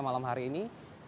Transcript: malam hari ini